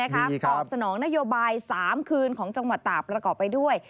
ตอบสนองนโยบาย๓คืนของจังหวัดตากประกอบไปด้วย